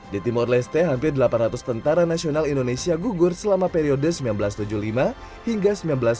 di timur leste hampir delapan ratus tentara nasional indonesia gugur selama periode seribu sembilan ratus tujuh puluh lima hingga seribu sembilan ratus sembilan puluh